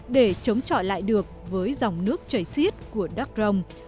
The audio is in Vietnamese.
để chống chọi lại được với dòng nước chảy xiết của đắk rồng